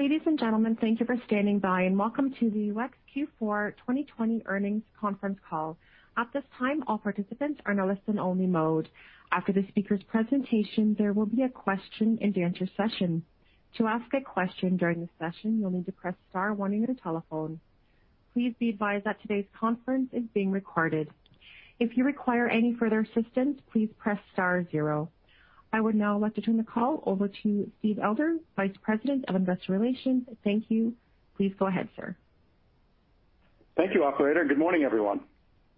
Ladies and gentlemen, thank you for standing by, and welcome to the WEX Q4 2020 earnings conference call. At this time, all participants are in a listen-only mode. After the speaker's presentation, there will be a question-and-answer session. To ask a question during the session, you'll need to press star one on your telephone. Please be advised that today's conference is being recorded. If you require any further assistance, please press star zero. I would now like to turn the call over to Steven Elder, Vice President of Investor Relations. Thank you. Please go ahead, sir. Thank you, operator. Good morning, everyone.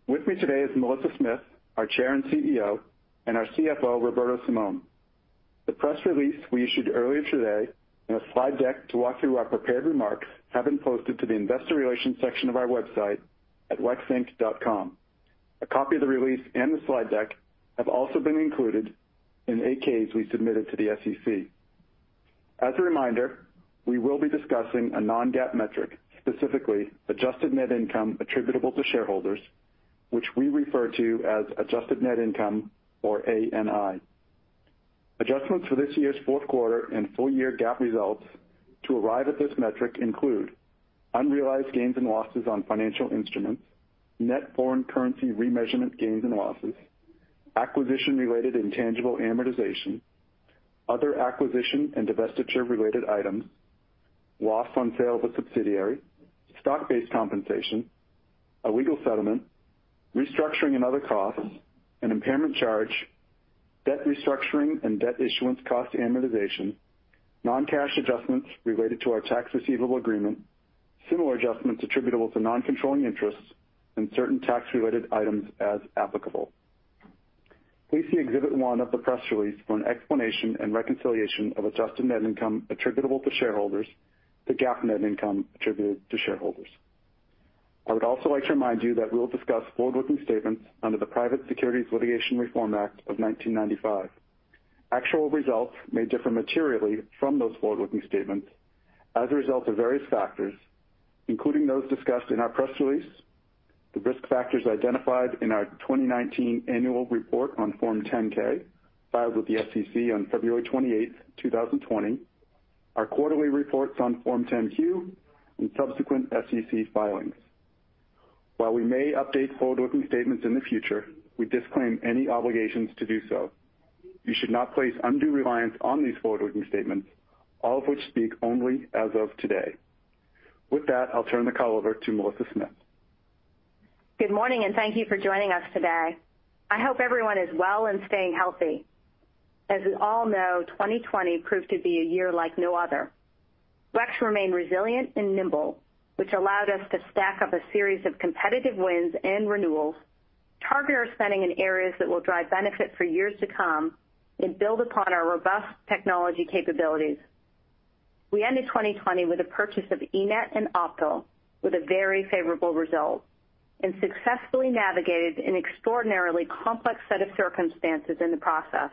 With me today is Melissa Smith, our Chair and CEO, and our CFO, Roberto Simon. The press release we issued earlier today and a slide deck to walk through our prepared remarks have been posted to the investor relations section of our website at wexinc.com. A copy of the release and the slide deck have also been included in the 8-Ks we submitted to the SEC. As a reminder, we will be discussing a non-GAAP metric, specifically adjusted net income attributable to shareholders, which we refer to as adjusted net income, or ANI. Adjustments for this year's fourth quarter and full-year GAAP results to arrive at this metric include unrealized gains and losses on financial instruments, net foreign currency remeasurement gains and losses, acquisition-related intangible amortization, other acquisition and divestiture-related items, loss on sale of a subsidiary, stock-based compensation, a legal settlement, restructuring and other costs, an impairment charge, debt restructuring and debt issuance cost amortization, non-cash adjustments related to our tax receivable agreement, similar adjustments attributable to non-controlling interests, and certain tax-related items as applicable. Please see Exhibit one of the press release for an explanation and reconciliation of adjusted net income attributable to shareholders to GAAP net income attributed to shareholders. I would also like to remind you that we will discuss forward-looking statements under the Private Securities Litigation Reform Act of 1995. Actual results may differ materially from those forward-looking statements as a result of various factors, including those discussed in our press release, the risk factors identified in our 2019 Annual Report on Form 10-K, filed with the SEC on February 28, 2020, our quarterly reports on Form 10-Q, and subsequent SEC filings. While we may update forward-looking statements in the future, we disclaim any obligations to do so. You should not place undue reliance on these forward-looking statements, all of which speak only as of today. With that, I'll turn the call over to Melissa Smith. Good morning, and thank you for joining us today. I hope everyone is well and staying healthy. As we all know, 2020 proved to be a year like no other. WEX remained resilient and nimble, which allowed us to stack up a series of competitive wins and renewals, target our spending in areas that will drive benefit for years to come, and build upon our robust technology capabilities. We ended 2020 with the purchase of eNett and Optal with a very favorable result and successfully navigated an extraordinarily complex set of circumstances in the process.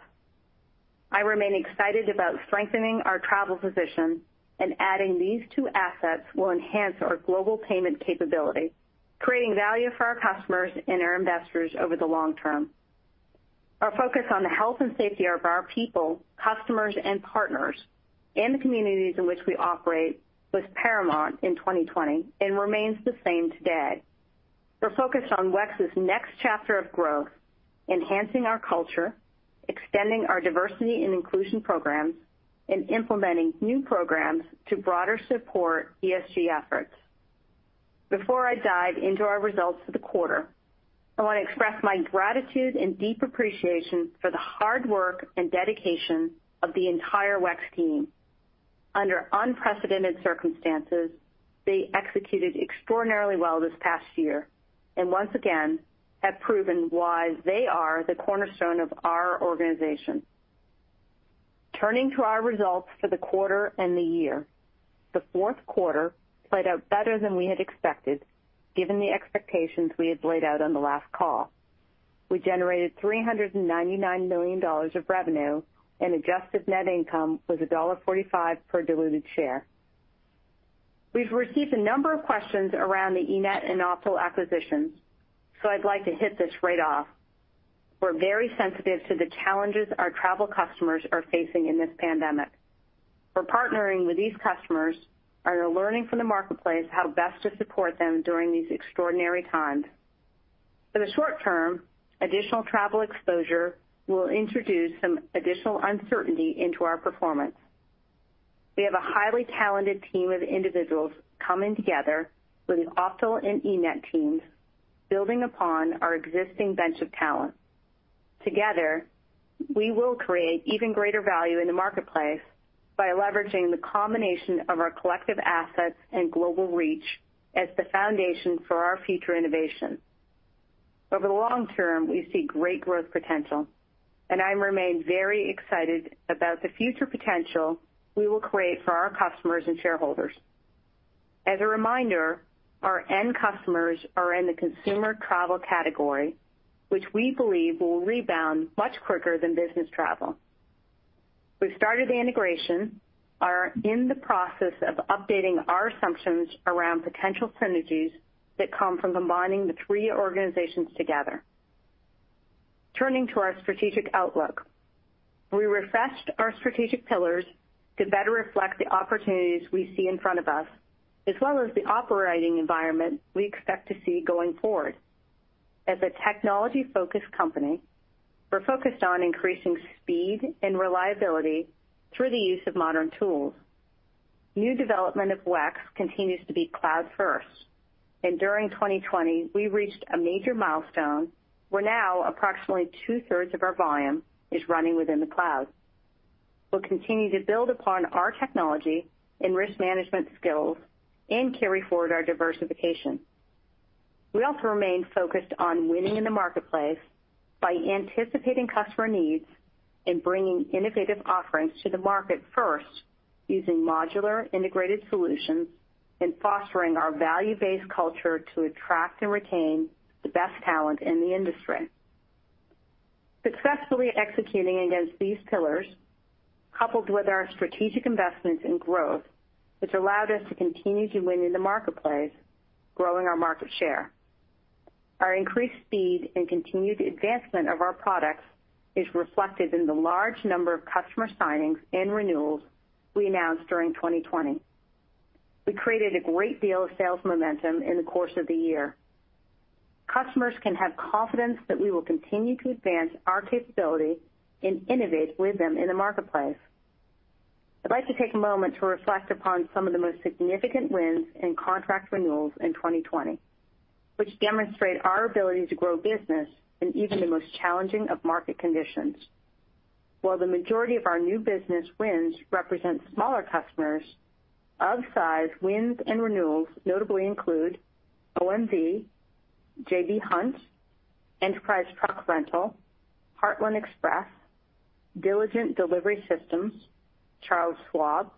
I remain excited about strengthening our travel position, and adding these two assets will enhance our global payment capability, creating value for our customers and our investors over the long term. Our focus on the health and safety of our people, customers, and partners, and the communities in which we operate was paramount in 2020 and remains the same today. We're focused on WEX's next chapter of growth, enhancing our culture, extending our diversity and inclusion programs, and implementing new programs to broader support ESG efforts. Before I dive into our results for the quarter, I want to express my gratitude and deep appreciation for the hard work and dedication of the entire WEX team. Under unprecedented circumstances, they executed extraordinarily well this past year and once again have proven why they are the cornerstone of our organization. Turning to our results for the quarter and the year, the fourth quarter played out better than we had expected, given the expectations we had laid out on the last call. We generated $399 million of revenue. Adjusted net income was $1.45 per diluted share. We've received a number of questions around the eNett and Optal acquisitions. I'd like to hit this right off. We're very sensitive to the challenges our travel customers are facing in this pandemic. We're partnering with these customers and are learning from the marketplace how best to support them during these extraordinary times. For the short term, additional travel exposure will introduce some additional uncertainty into our performance. We have a highly talented team of individuals coming together with the Optal and eNett teams, building upon our existing bench of talent. Together, we will create even greater value in the marketplace by leveraging the combination of our collective assets and global reach as the foundation for our future innovation. Over the long term, we see great growth potential, and I remain very excited about the future potential we will create for our customers and shareholders. As a reminder, our end customers are in the consumer travel category, which we believe will rebound much quicker than business travel. We've started the integration, are in the process of updating our assumptions around potential synergies that come from combining the three organizations together. Turning to our strategic outlook. We refreshed our strategic pillars to better reflect the opportunities we see in front of us, as well as the operating environment we expect to see going forward. As a technology-focused company, we're focused on increasing speed and reliability through the use of modern tools. New development of WEX continues to be cloud first, and during 2020, we reached a major milestone where now approximately two-thirds of our volume is running within the cloud. We'll continue to build upon our technology and risk management skills and carry forward our diversification. We also remain focused on winning in the marketplace by anticipating customer needs and bringing innovative offerings to the market first, using modular integrated solutions and fostering our value-based culture to attract and retain the best talent in the industry. Successfully executing against these pillars, coupled with our strategic investments in growth, which allowed us to continue to win in the marketplace, growing our market share. Our increased speed and continued advancement of our products is reflected in the large number of customer signings and renewals we announced during 2020. We created a great deal of sales momentum in the course of the year. Customers can have confidence that we will continue to advance our capability and innovate with them in the marketplace. I'd like to take a moment to reflect upon some of the most significant wins and contract renewals in 2020, which demonstrate our ability to grow business in even the most challenging of market conditions. While the majority of our new business wins represent smaller customers, of size wins and renewals notably include OMV, J.B. Hunt, Enterprise Truck Rental, Heartland Express, Diligent Delivery Systems, Charles Schwab,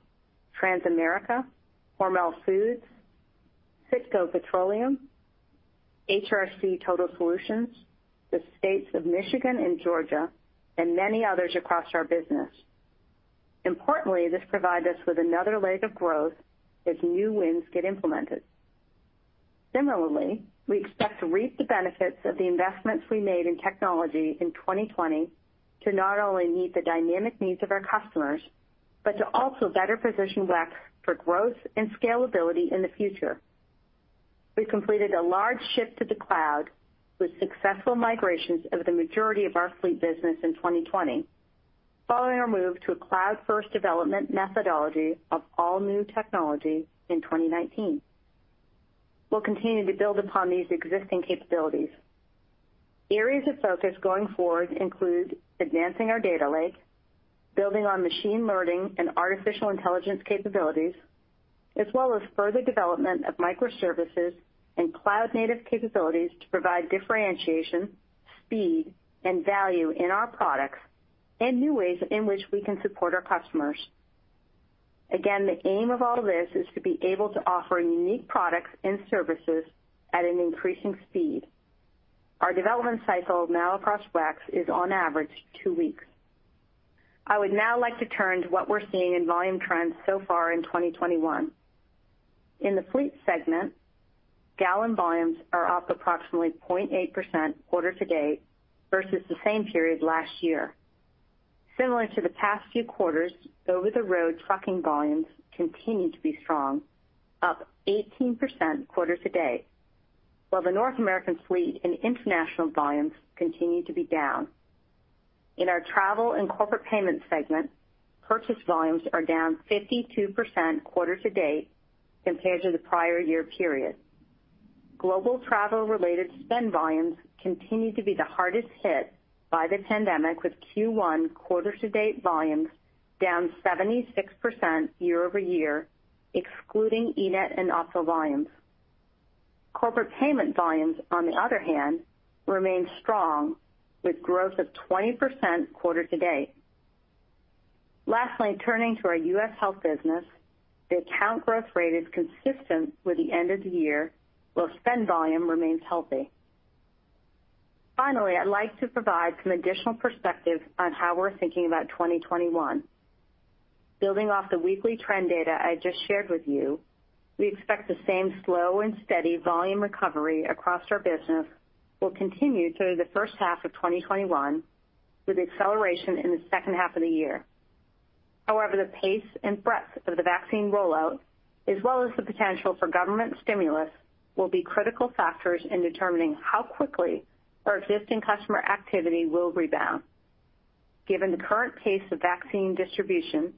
Transamerica, Hormel Foods, Citgo Petroleum, HRC Total Solutions, the states of Michigan and Georgia, and many others across our business. Importantly, this provide us with another leg of growth as new wins get implemented. Similarly, we expect to reap the benefits of the investments we made in technology in 2020 to not only meet the dynamic needs of our customers, but to also better position WEX for growth and scalability in the future. We completed a large shift to the cloud with successful migrations of the majority of our fleet business in 2020, following our move to a cloud-first development methodology of all new technology in 2019. We'll continue to build upon these existing capabilities. Areas of focus going forward include advancing our data lake, building on machine learning and artificial intelligence capabilities, as well as further development of microservices and cloud-native capabilities to provide differentiation, speed, and value in our products and new ways in which we can support our customers. Again, the aim of all this is to be able to offer unique products and services at an increasing speed. Our development cycle now across WEX is on average two weeks. I would now like to turn to what we're seeing in volume trends so far in 2021. In the fleet segment, gallon volumes are up approximately 0.8% quarter to date versus the same period last year. Similar to the past few quarters, over-the-road trucking volumes continue to be strong, up 18% quarter to date, while the North American Fleet and international volumes continue to be down. In our travel and corporate payment segment, purchase volumes are down 52% quarter to date compared to the prior year period. Global travel-related spend volumes continue to be the hardest hit by the pandemic, with Q1 quarter to date volumes down 76% year-over-year, excluding eNett and Optal volumes. Corporate payment volumes, on the other hand, remain strong, with growth of 20% quarter to date. Lastly, turning to our U.S. health business, the account growth rate is consistent with the end of the year, while spend volume remains healthy. Finally, I'd like to provide some additional perspective on how we're thinking about 2021. Building off the weekly trend data I just shared with you, we expect the same slow and steady volume recovery across our business will continue through the first half of 2021, with acceleration in the second half of the year. However, the pace and breadth of the vaccine rollout, as well as the potential for government stimulus, will be critical factors in determining how quickly our existing customer activity will rebound. Given the current pace of vaccine distribution,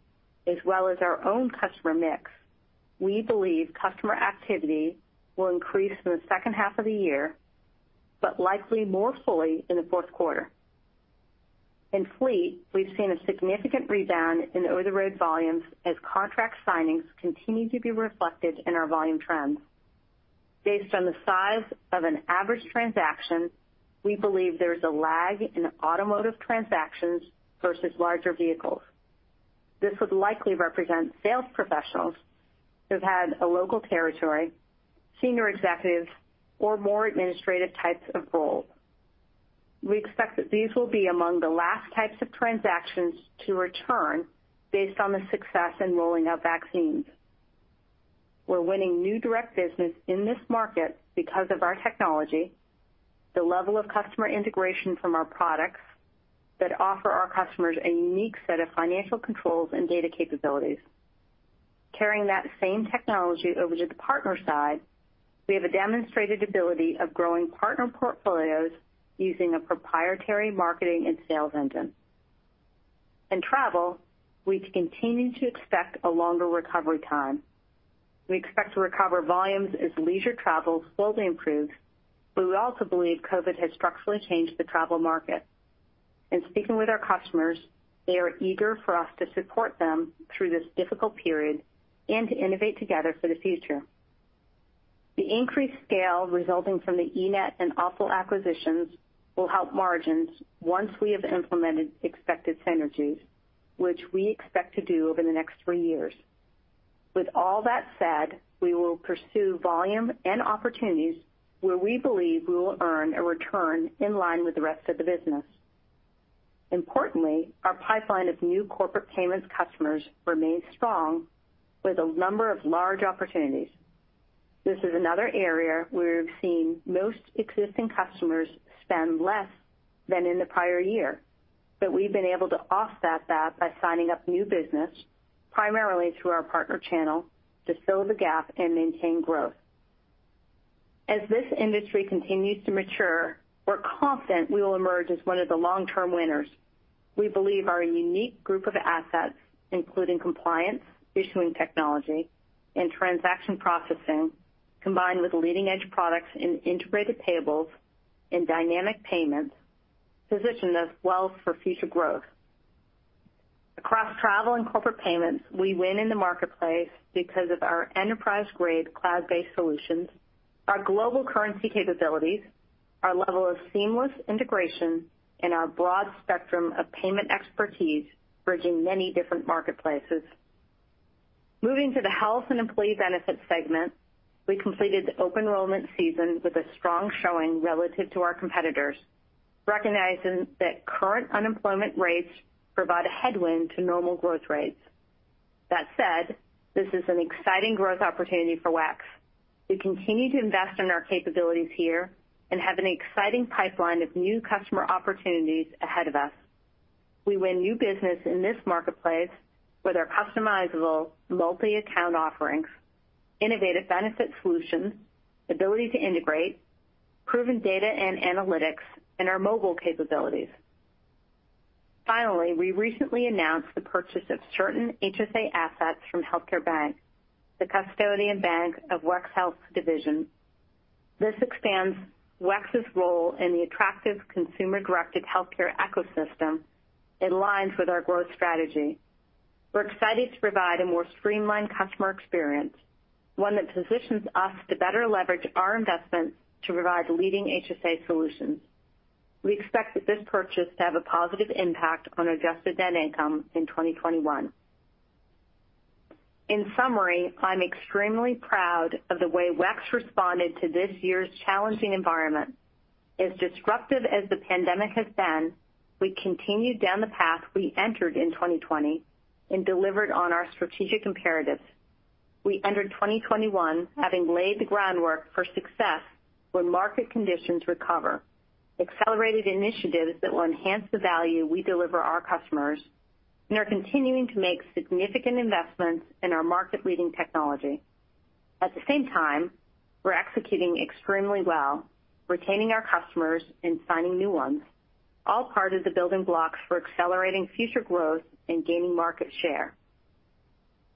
as well as our own customer mix, we believe customer activity will increase in the second half of the year, but likely more fully in the fourth quarter. In fleet, we've seen a significant rebound in over-the-road volumes as contract signings continue to be reflected in our volume trends. Based on the size of an average transaction, we believe there is a lag in automotive transactions versus larger vehicles. This would likely represent sales professionals who've had a local territory, senior executives, or more administrative types of roles. We expect that these will be among the last types of transactions to return based on the success in rolling out vaccines. We're winning new direct business in this market because of our technology, the level of customer integration from our products that offer our customers a unique set of financial controls and data capabilities. Carrying that same technology over to the partner side, we have a demonstrated ability of growing partner portfolios using a proprietary marketing and sales engine. In travel, we continue to expect a longer recovery time. We expect to recover volumes as leisure travel slowly improves, we also believe COVID has structurally changed the travel market. In speaking with our customers, they are eager for us to support them through this difficult period and to innovate together for the future. The increased scale resulting from the eNett and Optal acquisitions will help margins once we have implemented expected synergies, which we expect to do over the next three years. With all that said, we will pursue volume and opportunities where we believe we will earn a return in line with the rest of the business. Importantly, our pipeline of new corporate payments customers remains strong with a number of large opportunities. This is another area where we've seen most existing customers spend less than in the prior year. We've been able to offset that by signing up new business, primarily through our partner channel, to fill the gap and maintain growth. As this industry continues to mature, we're confident we will emerge as one of the long-term winners. We believe our unique group of assets, including compliance, issuing technology, and transaction processing, combined with leading-edge products in integrated payables and dynamic payments, position us well for future growth. Across travel and corporate payments, we win in the marketplace because of our enterprise-grade cloud-based solutions, our global currency capabilities, our level of seamless integration, and our broad spectrum of payment expertise bridging many different marketplaces. Moving to the Health and Employee Benefits segment, we completed the open enrollment season with a strong showing relative to our competitors, recognizing that current unemployment rates provide a headwind to normal growth rates. That said, this is an exciting growth opportunity for WEX. We continue to invest in our capabilities here and have an exciting pipeline of new customer opportunities ahead of us. We win new business in this marketplace with our customizable multi-account offerings, innovative benefit solutions, ability to integrate, proven data and analytics, and our mobile capabilities. Finally, we recently announced the purchase of certain HSA assets from Healthcare Bank, the custodian bank of WEX Health division. This expands WEX's role in the attractive consumer-directed healthcare ecosystem. It aligns with our growth strategy. We're excited to provide a more streamlined customer experience, one that positions us to better leverage our investments to provide leading HSA solutions. We expect this purchase to have a positive impact on adjusted net income in 2021. In summary, I'm extremely proud of the way WEX responded to this year's challenging environment. As disruptive as the pandemic has been, we continued down the path we entered in 2020 and delivered on our strategic imperatives. We entered 2021 having laid the groundwork for success when market conditions recover, accelerated initiatives that will enhance the value we deliver our customers, and are continuing to make significant investments in our market-leading technology. At the same time, we're executing extremely well, retaining our customers and signing new ones, all part of the building blocks for accelerating future growth and gaining market share.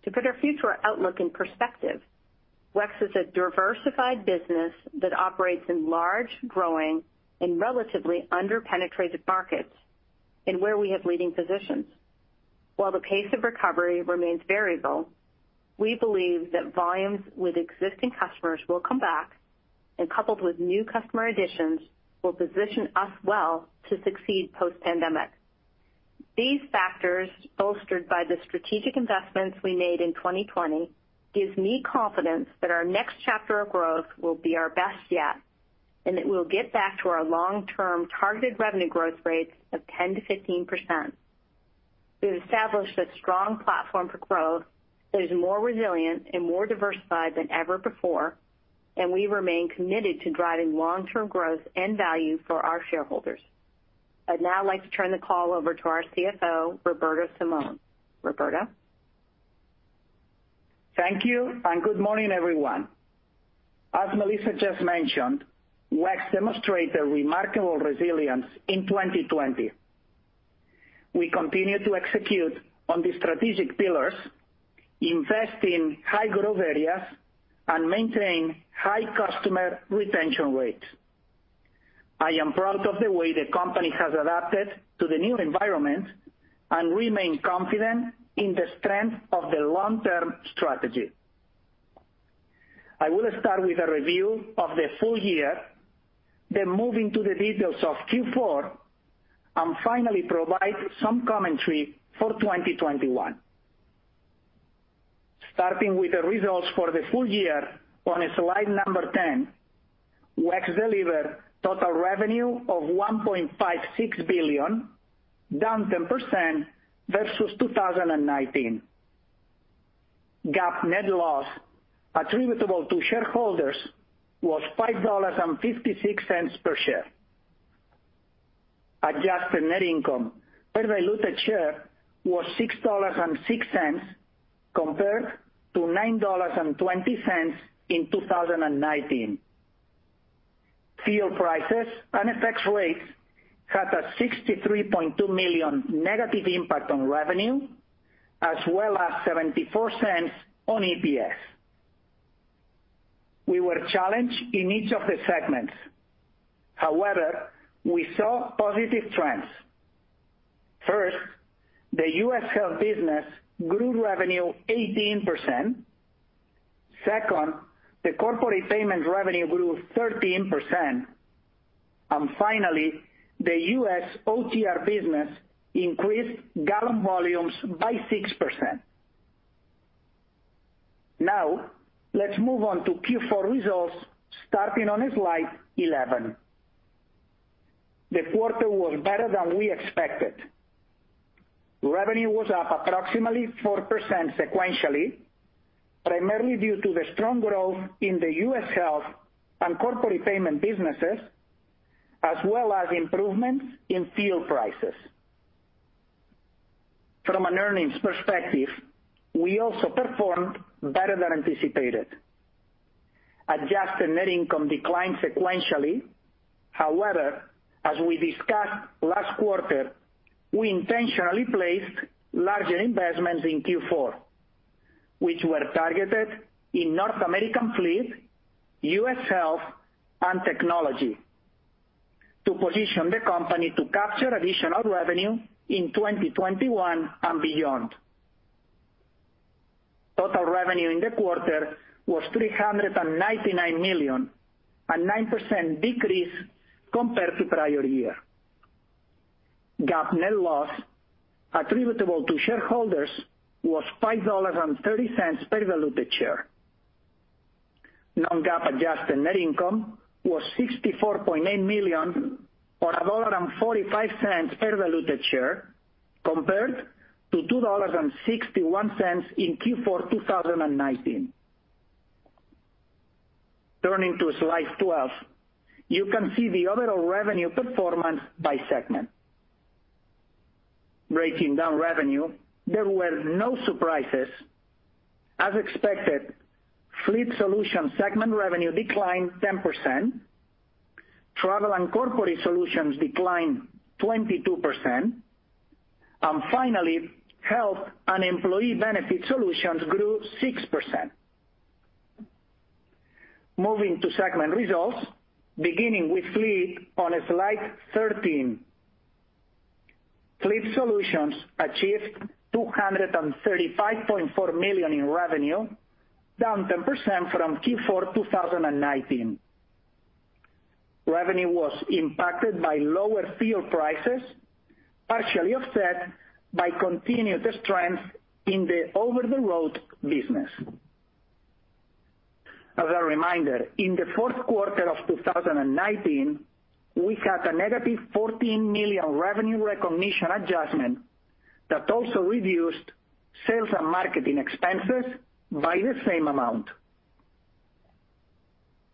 To put our future outlook in perspective, WEX is a diversified business that operates in large, growing, and relatively under-penetrated markets, and where we have leading positions. While the pace of recovery remains variable, we believe that volumes with existing customers will come back, and coupled with new customer additions, will position us well to succeed post-pandemic. These factors, bolstered by the strategic investments we made in 2020, gives me confidence that our next chapter of growth will be our best yet, and that we'll get back to our long-term targeted revenue growth rates of 10%-15%. We've established a strong platform for growth that is more resilient and more diversified than ever before, and we remain committed to driving long-term growth and value for our shareholders. I'd now like to turn the call over to our CFO, Roberto Simon. Roberto? Thank you, and good morning, everyone. As Melissa just mentioned, WEX demonstrated remarkable resilience in 2020. We continued to execute on the strategic pillars, invest in high-growth areas, and maintain high customer retention rates. I am proud of the way the company has adapted to the new environment and remain confident in the strength of the long-term strategy. I will start with a review of the full year, then move into the details of Q4, and finally provide some commentary for 2021. Starting with the results for the full year on slide number 10, WEX delivered total revenue of $1.56 billion, down 10% versus 2019. GAAP net loss attributable to shareholders was $5.56 per share. Adjusted net income per diluted share was $6.06 compared to $9.20 in 2019. Fuel prices and FX rates had a $63.2 million negative impact on revenue, as well as $0.74 on EPS. We were challenged in each of the segments. We saw positive trends. First, the U.S. Health business grew revenue 18%. Second, the corporate payment revenue grew 13%. Finally, the U.S. OTR business increased gallon volumes by 6%. Now let's move on to Q4 results starting on slide 11. The quarter was better than we expected. Revenue was up approximately 4% sequentially, primarily due to the strong growth in the U.S. Health and corporate payment businesses, as well as improvements in fuel prices. From an earnings perspective, we also performed better than anticipated. Adjusted net income declined sequentially. As we discussed last quarter, we intentionally placed larger investments in Q4, which were targeted in North American Fleet, U.S. Health, and Technology, to position the company to capture additional revenue in 2021 and beyond. Total revenue in the quarter was $399 million, a 9% decrease compared to prior year. GAAP net loss attributable to shareholders was $5.30 per diluted share. Non-GAAP adjusted net income was $64.8 million, or $1.45 per diluted share, compared to $2.61 in Q4 2019. Turning to slide 12, you can see the overall revenue performance by segment. Breaking down revenue, there were no surprises. As expected, Fleet Solutions segment revenue declined 10%, Travel and Corporate Solutions declined 22%, and finally, Health and Employee Benefit Solutions grew 6%. Moving to segment results, beginning with Fleet on slide 13. Fleet Solutions achieved $235.4 million in revenue, down 10% from Q4 2019. Revenue was impacted by lower fuel prices, partially offset by continued strength in the over-the-road business. As a reminder, in the fourth quarter of 2019, we had a negative $14 million revenue recognition adjustment that also reduced sales and marketing expenses by the same amount.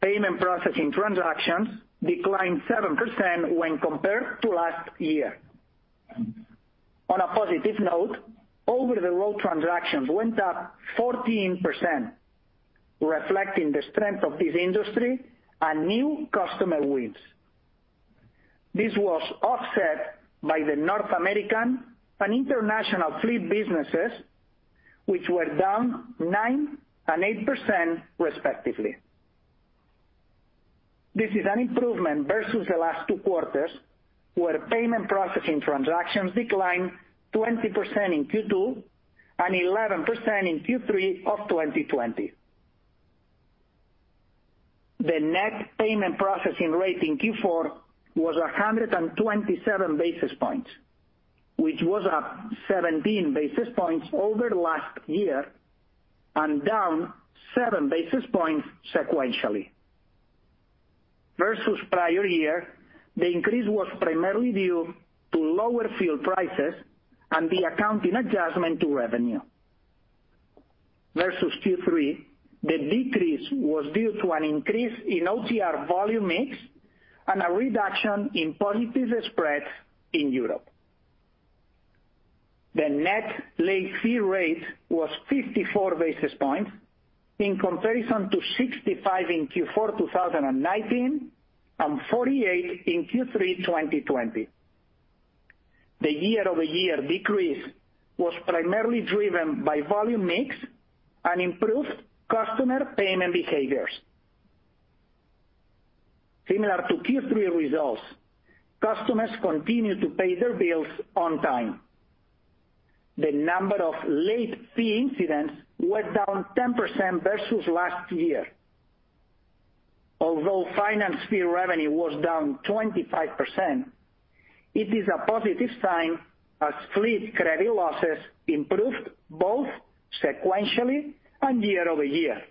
Payment processing transactions declined 7% when compared to last year. On a positive note, over-the-road transactions went up 14%, reflecting the strength of this industry and new customer wins. This was offset by the North American and international fleet businesses, which were down 9% and 8% respectively. This is an improvement versus the last two quarters, where payment processing transactions declined 20% in Q2 and 11% in Q3 of 2020. The net payment processing rate in Q4 was 127 basis points, which was up 17 basis points over last year, and down seven basis points sequentially. Versus prior year, the increase was primarily due to lower fuel prices and the accounting adjustment to revenue. Versus Q3, the decrease was due to an increase in OTR volume mix and a reduction in positive spreads in Europe. The net late fee rate was 54 basis points in comparison to 65 in Q4 2019 and 48 in Q3 2020. The year-over-year decrease was primarily driven by volume mix and improved customer payment behaviors. Similar to Q3 results, customers continued to pay their bills on time. The number of late fee incidents were down 10% versus last year. Although finance fee revenue was down 25%. It is a positive sign as Fleet credit losses improved both sequentially and year-over-year.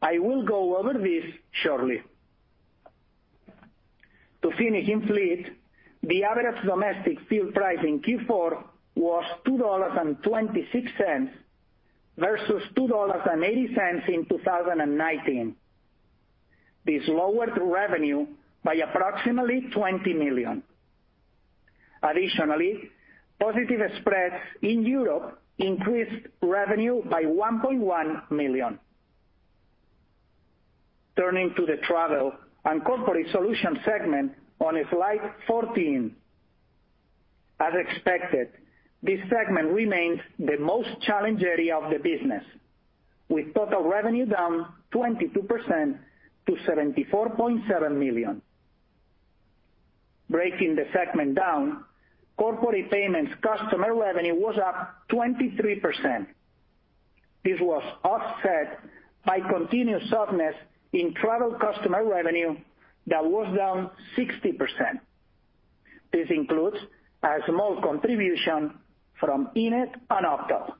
I will go over this shortly. To finish in Fleet, the average domestic fuel price in Q4 was $2.26 versus $2.80 in 2019. This lowered revenue by approximately $20 million. Additionally, positive spreads in Europe increased revenue by $1.1 million. Turning to the Travel and Corporate Solutions segment on slide 14. As expected, this segment remains the most challenged area of the business, with total revenue down 22% to $74.7 million. Breaking the segment down, corporate payments customer revenue was up 23%. This was offset by continued softness in travel customer revenue that was down 60%. This includes a small contribution from eNett and Optal.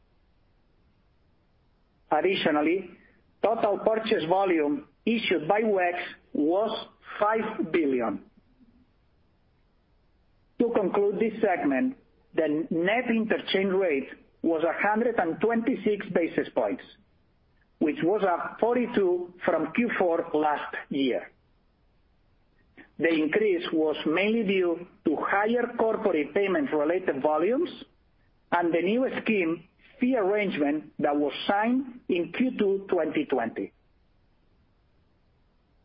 Additionally, total purchase volume issued by WEX was $5 billion. To conclude this segment, the net interchange rate was 126 basis points, which was up 42 basis point from Q4 last year. The increase was mainly due to higher corporate payment-related volumes and the new scheme fee arrangement that was signed in Q2 2020.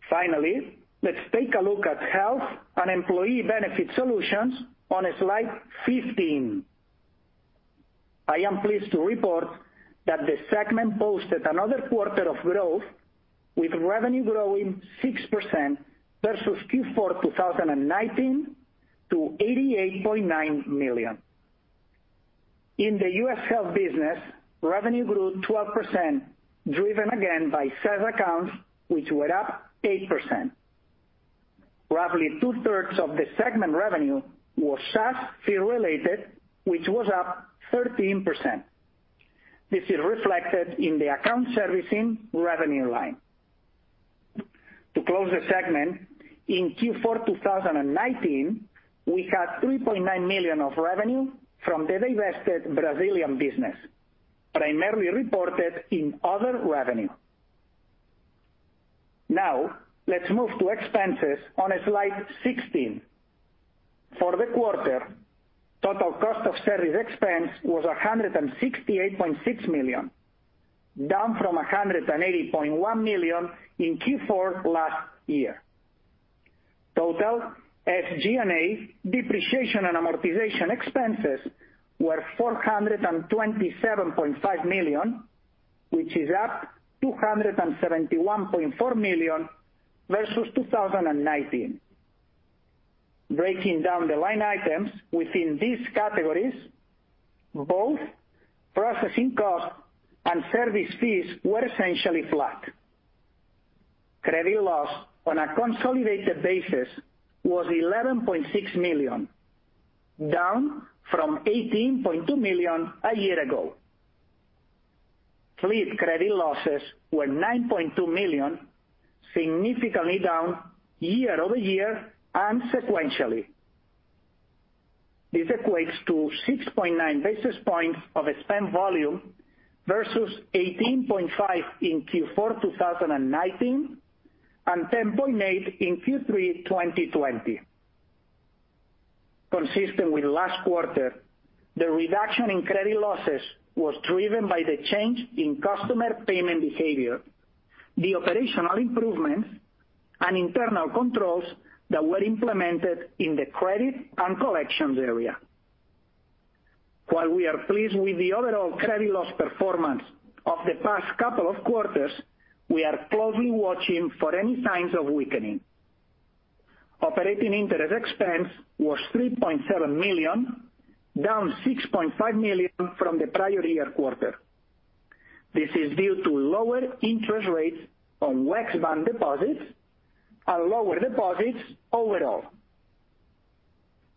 Finally, let's take a look at Health and Employee Benefit Solutions on slide 15. I am pleased to report that the segment posted another quarter of growth, with revenue growing 6% versus Q4 2019 to $88.9 million. In the US health business, revenue grew 12%, driven again by SaaS accounts, which were up 8%. Roughly two-thirds of the segment revenue was SaaS fee related, which was up 13%. This is reflected in the account servicing revenue line. To close the segment, in Q4 2019, we had $3.9 million of revenue from the divested Brazilian business, primarily reported in other revenue. Now, let's move to expenses on slide 16. For the quarter, total cost of service expense was $168.6 million, down from $180.1 million in Q4 last year. Total SG&A depreciation and amortization expenses were $427.5 million, which is up $271.4 million versus 2019. Breaking down the line items within these categories, both processing costs and service fees were essentially flat. Credit loss on a consolidated basis was $11.6 million, down from $18.2 million a year ago. Fleet credit losses were $9.2 million, significantly down year-over-year and sequentially. This equates to 6.9 basis points of spend volume versus 18.5 in Q4 2019 and 10.8 in Q3 2020. Consistent with last quarter, the reduction in credit losses was driven by the change in customer payment behavior, the operational improvements, and internal controls that were implemented in the credit and collections area. While we are pleased with the overall credit loss performance of the past couple of quarters, we are closely watching for any signs of weakening. Operating interest expense was $3.7 million, down $6.5 million from the prior year quarter. This is due to lower interest rates on WEX Bank deposits and lower deposits overall.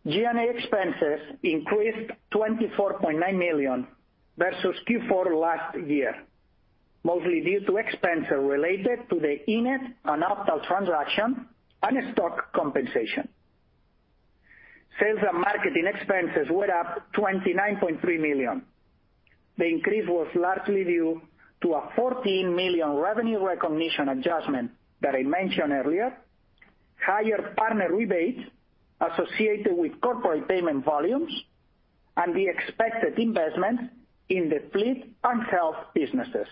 G&A expenses increased $24.9 million versus Q4 last year, mostly due to expenses related to the eNett and Optal transaction and stock compensation. Sales and marketing expenses were up $29.3 million. The increase was largely due to a $14 million revenue recognition adjustment that I mentioned earlier, higher partner rebates associated with corporate payment volumes, and the expected investments in the Fleet and Health businesses.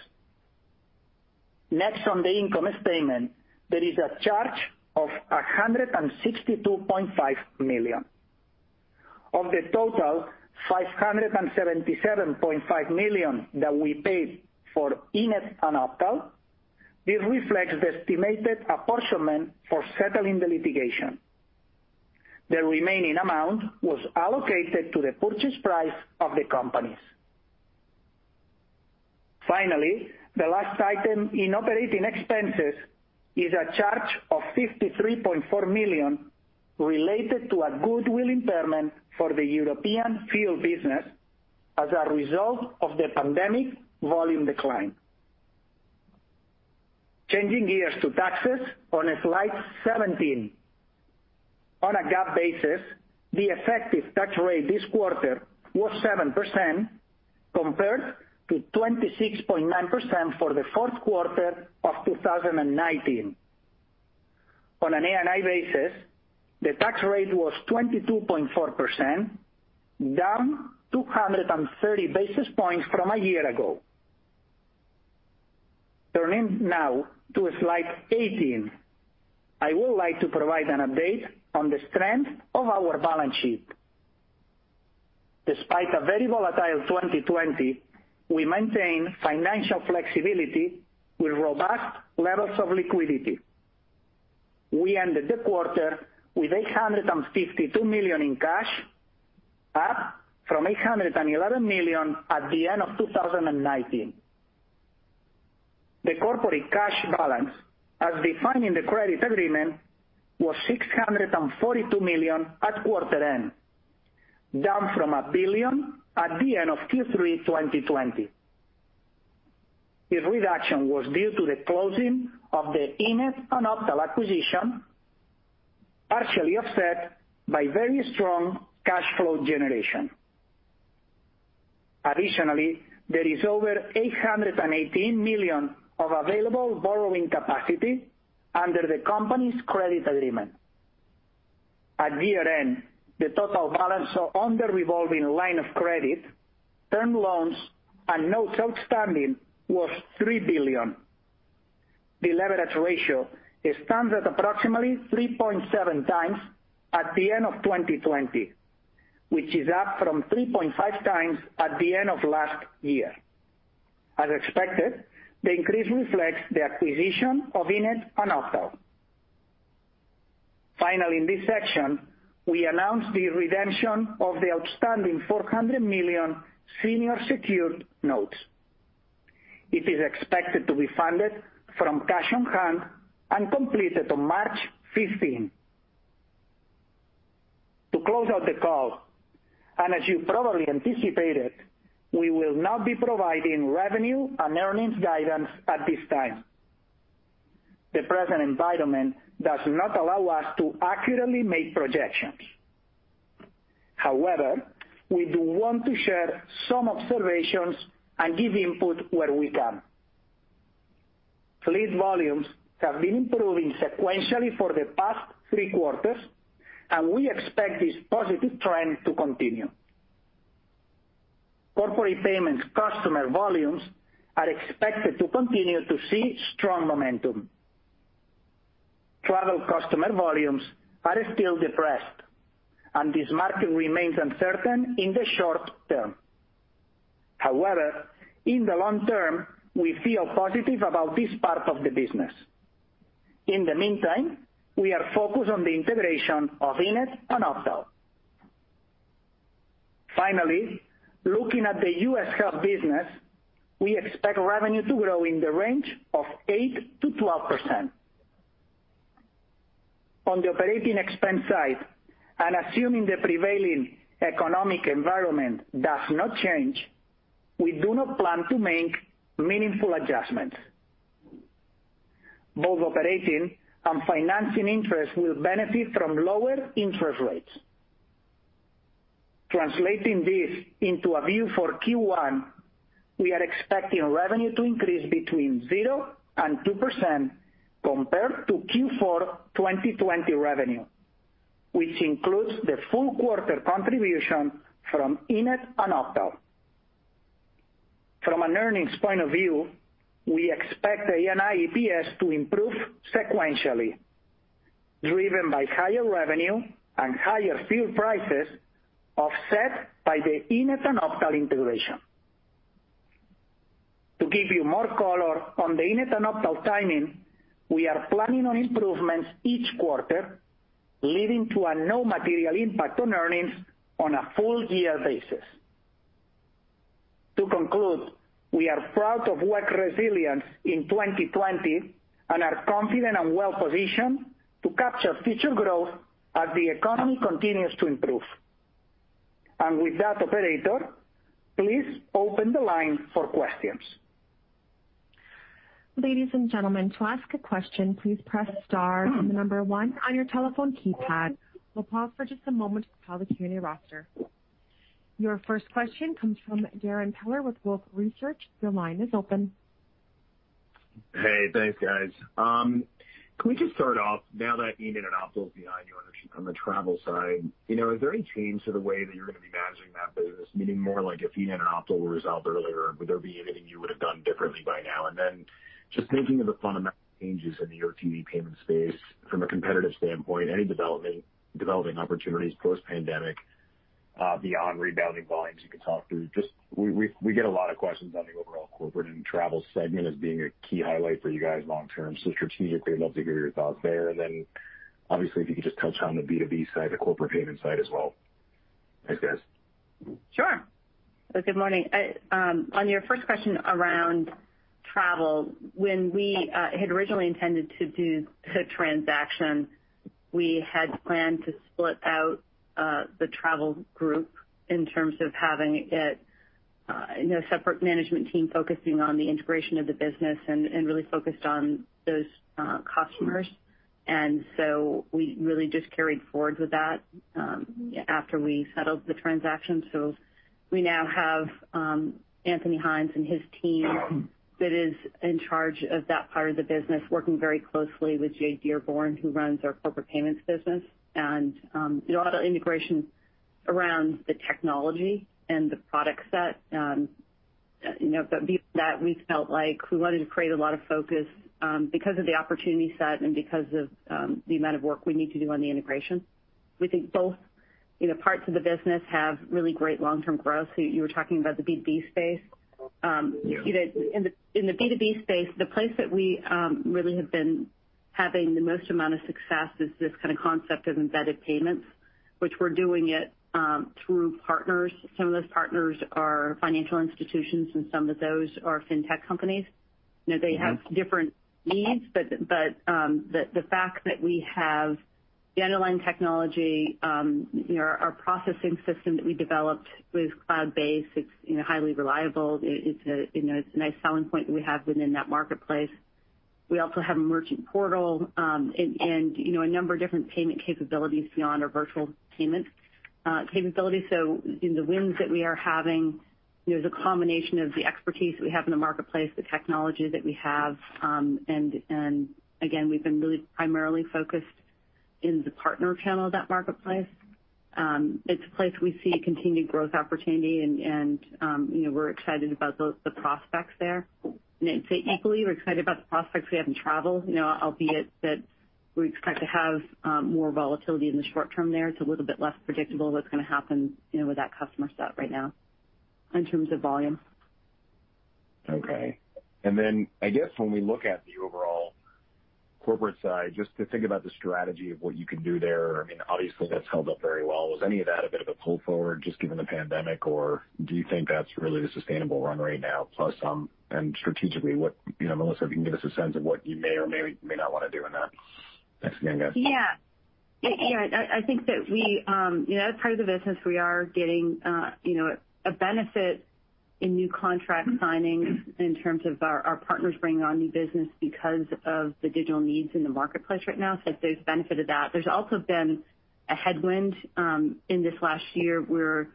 Next on the income statement, there is a charge of $162.5 million. Of the total $577.5 million that we paid for eNett and Optal, this reflects the estimated apportionment for settling the litigation. The remaining amount was allocated to the purchase price of the companies. Finally, the last item in operating expenses is a charge of $53.4 million related to a goodwill impairment for the European fuel business as a result of the pandemic volume decline. Changing gears to taxes on slide 17. On a GAAP basis, the effective tax rate this quarter was 7% compared to 26.9% for the fourth quarter of 2019. On an ANI basis, the tax rate was 22.4%, down 230 basis points from a year ago. Turning now to slide 18, I would like to provide an update on the strength of our balance sheet. Despite a very volatile 2020, we maintained financial flexibility with robust levels of liquidity. We ended the quarter with $852 million in cash, up from $811 million at the end of 2019. The corporate cash balance, as defined in the credit agreement, was $642 million at quarter end, down from $1 billion at the end of Q3 2020. This reduction was due to the closing of the eNett and Optal acquisition, partially offset by very strong cash flow generation. Additionally, there is over $818 million of available borrowing capacity under the company's credit agreement. At year-end, the total balance on the revolving line of credit, term loans, and notes outstanding was $3 billion. The leverage ratio stands at approximately 3.7x at the end of 2020, which is up from 3.5x at the end of last year. As expected, the increase reflects the acquisition of eNett and Optal. Finally, in this section, we announced the redemption of the outstanding $400 million senior secured notes. It is expected to be funded from cash on hand and completed on March 15. To close out the call, and as you probably anticipated, we will not be providing revenue and earnings guidance at this time. The present environment does not allow us to accurately make projections. However, we do want to share some observations and give input where we can. Fleet volumes have been improving sequentially for the past three quarters, and we expect this positive trend to continue. Corporate Payments customer volumes are expected to continue to see strong momentum. Travel customer volumes are still depressed. This market remains uncertain in the short term. However, in the long term, we feel positive about this part of the business. In the meantime, we are focused on the integration of eNett and Optal. Finally, looking at the U.S. hub business, we expect revenue to grow in the range of 8%-12%. On the operating expense side, and assuming the prevailing economic environment does not change, we do not plan to make meaningful adjustments. Both operating and financing interest will benefit from lower interest rates. Translating this into a view for Q1, we are expecting revenue to increase between zero and 2% compared to Q4 2020 revenue, which includes the full quarter contribution from eNett and Optal. From an earnings point of view, we expect the ANI EPS to improve sequentially, driven by higher revenue and higher fuel prices, offset by the eNett and Optal integration. To give you more color on the eNett and Optal timing, we are planning on improvements each quarter, leading to a no material impact on earnings on a full year basis. To conclude, we are proud of WEX resilience in 2020 and are confident and well-positioned to capture future growth as the economy continues to improve. With that, Operator, please open the line for questions. Ladies and gentlemen, to ask a question, please press star and the number one on your telephone keypad. We'll pause for just a moment to poll the community roster. Your first question comes from Darrin Peller with Wolfe Research. Your line is open. Hey, thanks, guys. Can we just start off now that eNett and Optal is behind you on the travel side? Is there any change to the way that you're going to be managing that business? Meaning more like if eNett and Optal were resolved earlier, would there be anything you would have done differently by now? Just thinking of the fundamental changes in the RTD payment space from a competitive standpoint, any developing opportunities post-pandemic, beyond rebounding volumes you can talk through? Just we get a lot of questions on the overall corporate and travel segment as being a key highlight for you guys long term. Strategically, I'd love to hear your thoughts there. Obviously, if you could just touch on the B2B side, the corporate payment side as well. Thanks, guys. Sure. Good morning. On your first question around travel, when we had originally intended to do the transaction, we had planned to split out the travel group in terms of having it separate management team focusing on the integration of the business and really focused on those customers. We really just carried forward with that after we settled the transaction. We now have Anthony Hynes and his team that is in charge of that part of the business, working very closely with Jay Dearborn, who runs our corporate payments business. A lot of integration around the technology and the product set that we felt like we wanted to create a lot of focus because of the opportunity set and because of the amount of work we need to do on the integration. We think both parts of the business have really great long-term growth. You were talking about the B2B space. In the B2B space, the place that we really have been having the most amount of success is this kind of concept of embedded payments, which we're doing it through partners. Some of those partners are financial institutions, and some of those are fintech companies. They have different needs, but the fact that we have the underlying technology, our processing system that we developed is cloud-based. It's highly reliable. It's a nice selling point that we have within that marketplace. We also have a merchant portal and a number of different payment capabilities beyond our virtual payment capabilities. In the wins that we are having, there's a combination of the expertise that we have in the marketplace, the technology that we have. Again, we've been really primarily focused in the partner channel of that marketplace. It's a place we see continued growth opportunity, and we're excited about the prospects there. I'd say equally, we're excited about the prospects we have in travel, albeit that we expect to have more volatility in the short term there. It's a little bit less predictable what's going to happen with that customer set right now in terms of volume. Okay. I guess when we look at the overall corporate side, just to think about the strategy of what you can do there, obviously that's held up very well. Was any of that a bit of a pull forward just given the pandemic, or do you think that's really the sustainable run right now, plus some? Strategically, Melissa, if you can give us a sense of what you may or may not want to do in that. Thanks again, guys. Yeah. I think that that part of the business we are getting a benefit in new contract signings in terms of our partners bringing on new business because of the digital needs in the marketplace right now. There's benefit of that. There's also been a headwind in this last year where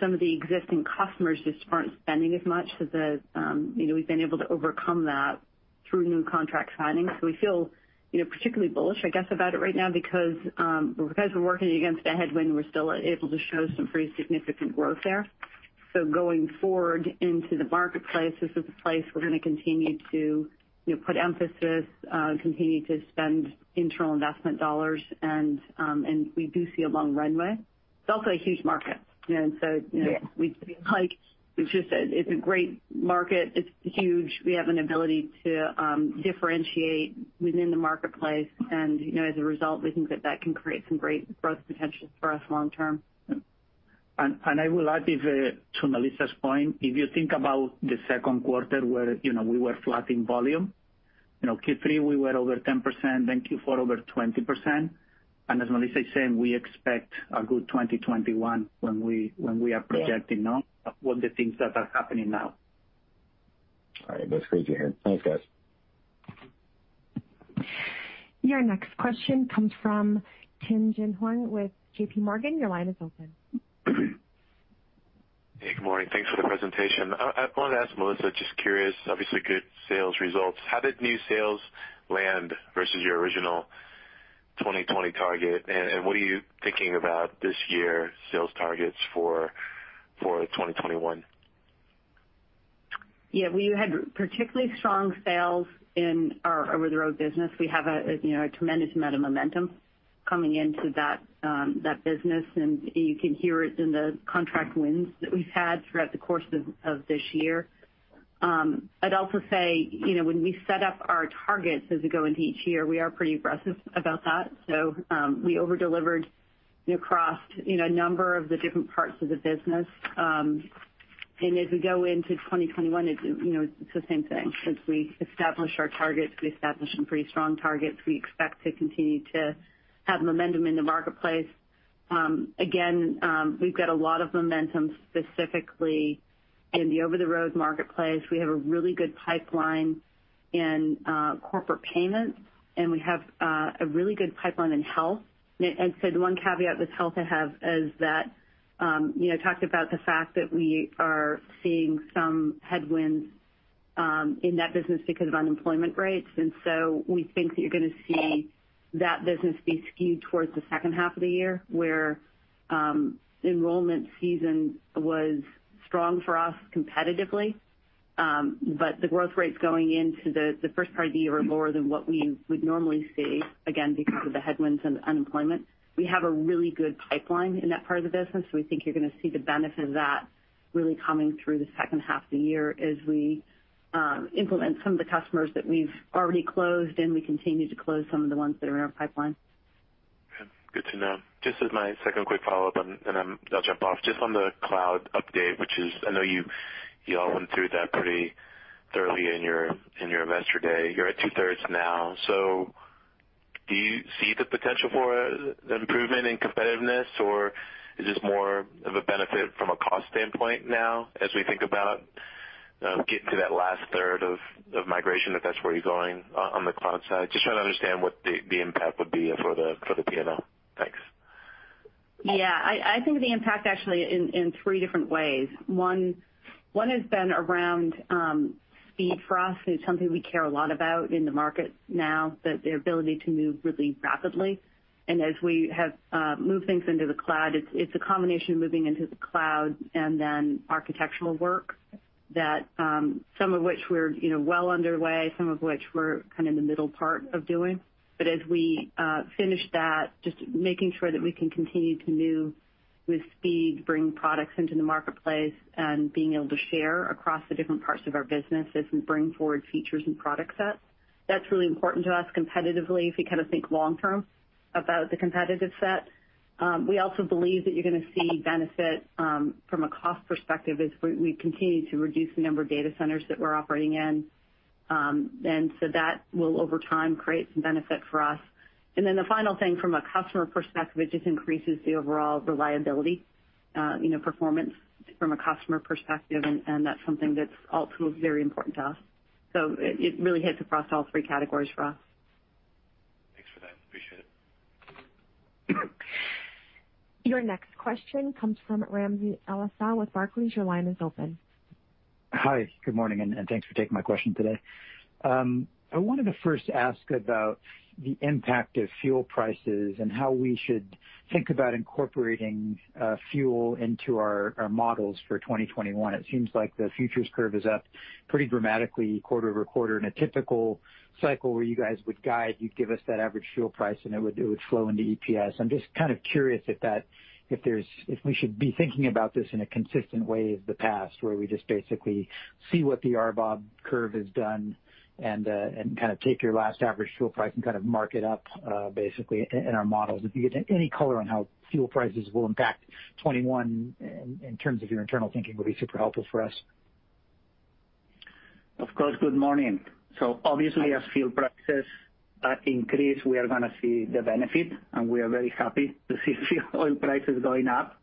some of the existing customers just aren't spending as much. We've been able to overcome that through new contract signings. We feel particularly bullish, I guess, about it right now because while we're working against a headwind, we're still able to show some pretty significant growth there. Going forward into the marketplace, this is a place we're going to continue to put emphasis, continue to spend internal investment dollars, and we do see a long runway. It's also a huge market. We feel like it's a great market. It's huge. We have an ability to differentiate within the marketplace. As a result, we think that that can create some great growth potential for us long term. I will add to Melissa's point, if you think about the second quarter where we were flat in volume. Q3 we were over 10%, Q4 over 20%. As Melissa is saying, we expect a good 2021 when we are projecting all the things that are happening now. All right. That's great to hear. Thanks, guys. Your next question comes from Tien-Tsin Huang with JPMorgan. Your line is open. Hey, good morning. Thanks for the presentation. I want to ask Melissa, just curious, obviously good sales results. How did new sales land versus your original 2020 target? What are you thinking about this year's sales targets for 2021? Yeah. We had particularly strong sales in our over-the-road business. We have a tremendous amount of momentum coming into that business, and you can hear it in the contract wins that we've had throughout the course of this year. I'd also say when we set up our targets as we go into each year, we are pretty aggressive about that. We over-delivered across a number of the different parts of the business. As we go into 2021, it's the same thing. Since we established our targets, we established some pretty strong targets. We expect to continue to have momentum in the marketplace. Again, we've got a lot of momentum specifically in the over-the-road marketplace. We have a really good pipeline in Corporate Payments, and we have a really good pipeline in Health. I'd say the one caveat with health I have is that I talked about the fact that we are seeing some headwinds in that business because of unemployment rates. We think that you're going to see that business be skewed towards the second half of the year, where enrollment season was strong for us competitively. The growth rates going into the first part of the year were lower than what we would normally see, again, because of the headwinds and unemployment. We have a really good pipeline in that part of the business. We think you're going to see the benefit of that really coming through the second half of the year as we implement some of the customers that we've already closed, and we continue to close some of the ones that are in our pipeline. Okay. Good to know. Just as my second quick follow-up, and then I'll jump off. Just on the cloud update, which is, I know you all went through that pretty thoroughly in your investor day. You're at two-thirds now. Do you see the potential for improvement in competitiveness, or is this more of a benefit from a cost standpoint now, as we think about getting to that last third of migration, if that's where you're going on the cloud side? Just trying to understand what the impact would be for the P&L. Thanks. Yeah. I think the impact actually in three different ways. One has been around speed for us. It's something we care a lot about in the market now, the ability to move really rapidly. As we have moved things into the cloud, it's a combination of moving into the cloud and then architectural work that some of which we're well underway, some of which we're kind of in the middle part of doing. As we finish that, just making sure that we can continue to move with speed, bring products into the marketplace, and being able to share across the different parts of our business as we bring forward features and product sets. That's really important to us competitively, if you think long-term about the competitive set. We also believe that you're going to see benefit from a cost perspective as we continue to reduce the number of data centers that we're operating in. That will, over time, create some benefit for us. The final thing from a customer perspective, it just increases the overall reliability performance from a customer perspective, and that's something that's also very important to us. It really hits across all three categories for us. Thanks for that. Appreciate it. Your next question comes from Ramsey El-Assal with Barclays. Your line is open. Hi, good morning, and thanks for taking my question today. I wanted to first ask about the impact of fuel prices and how we should think about incorporating fuel into our models for 2021. It seems like the futures curve is up pretty dramatically quarter-over-quarter. In a typical cycle where you guys would guide, you'd give us that average fuel price, and it would flow into EPS. I'm just kind of curious if we should be thinking about this in a consistent way of the past, where we just basically see what the RBOB curve has done and kind of take your last average fuel price and kind of mark it up basically in our models. If you give any color on how fuel prices will impact 2021 in terms of your internal thinking would be super helpful for us. Of course. Good morning. Obviously, as fuel prices increase, we are going to see the benefit, and we are very happy to see oil prices going up.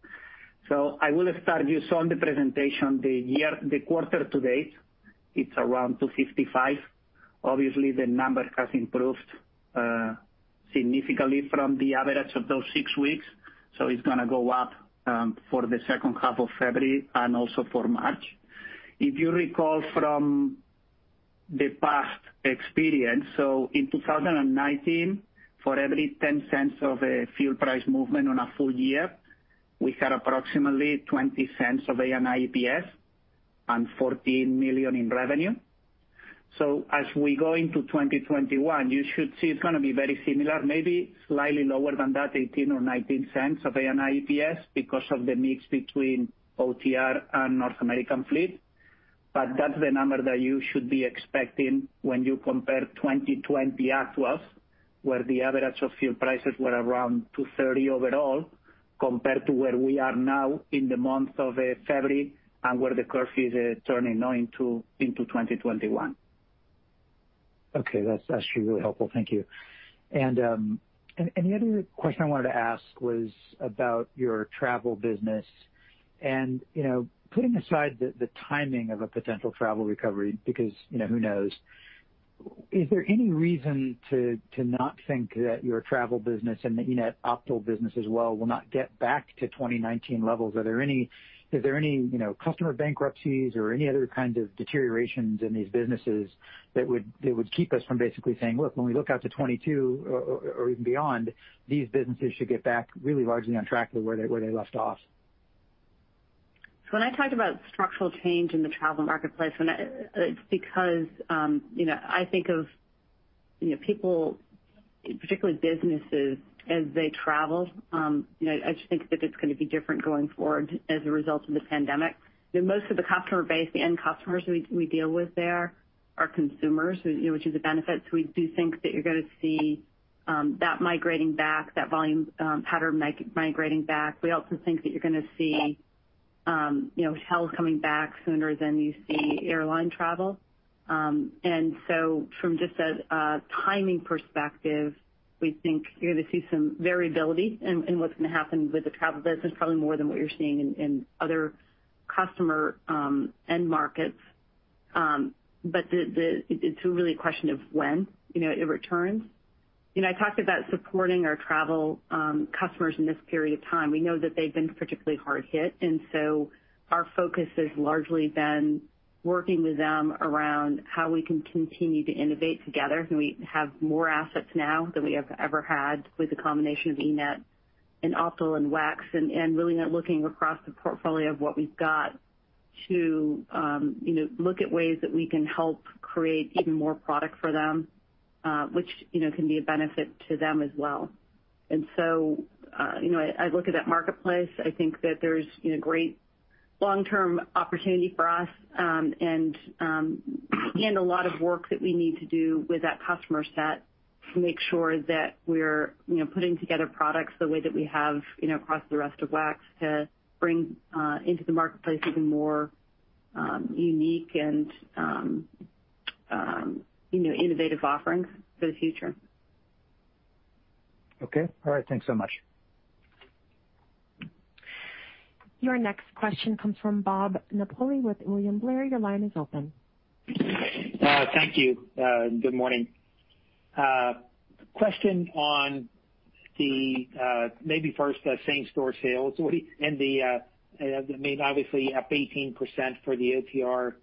I will start. You saw in the presentation the quarter to date, it's around $255. Obviously, the number has improved significantly from the average of those six weeks, it's going to go up for the second half of February and also for March. If you recall from the past experience, in 2019, for every $0.10 of a fuel price movement on a full year, we had approximately $0.20 of ANI EPS and $14 million in revenue. As we go into 2021, you should see it's going to be very similar, maybe slightly lower than that, $0.18 or $0.19 of ANI EPS because of the mix between OTR and North American Fleet. That's the number that you should be expecting when you compare 2020 as well, where the average of fuel prices were around $2.30 overall, compared to where we are now in the month of February and where the curve is turning now into 2021. Okay. That's actually really helpful. Thank you. The other question I wanted to ask was about your travel business and, putting aside the timing of a potential travel recovery, because who knows, is there any reason to not think that your travel business and the eNett/Optal business as well will not get back to 2019 levels? Are there any customer bankruptcies or any other kind of deteriorations in these businesses that would keep us from basically saying, "Look, when we look out to 2022 or even beyond, these businesses should get back really largely on track to where they left off"? When I talk about structural change in the travel marketplace, it's because I think of people, particularly businesses, as they travel. I just think that it's going to be different going forward as a result of the pandemic. Most of the customer base, the end customers we deal with there are consumers, which is a benefit. We do think that you're going to see that migrating back, that volume pattern migrating back. We also think that you're going to see hotels coming back sooner than you see airline travel. From just a timing perspective, we think you're going to see some variability in what's going to happen with the travel business, probably more than what you're seeing in other customer end markets. It's really a question of when it returns. I talked about supporting our travel customers in this period of time. We know that they've been particularly hard hit. Our focus has largely been working with them around how we can continue to innovate together. We have more assets now than we have ever had with the combination of eNett and Optal and WEX, and really now looking across the portfolio of what we've got to look at ways that we can help create even more product for them, which can be a benefit to them as well. I look at that marketplace, I think that there's great long-term opportunity for us and a lot of work that we need to do with that customer set to make sure that we're putting together products the way that we have across the rest of WEX to bring into the marketplace even more unique and innovative offerings for the future. Okay. All right. Thanks so much. Your next question comes from Bob Napoli with William Blair. Your line is open. Thank you. Good morning. Question on the maybe first the same-store sales and the, I mean, obviously up 18% for the OTR,